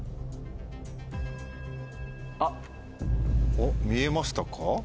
おっ見えましたか？